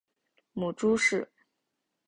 母朱氏。